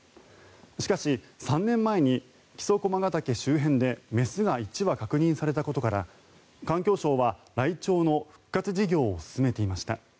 しかし、３年前に木曽駒ヶ岳周辺で雌が１羽確認されたことから環境省はライチョウの復活事業を進めていました。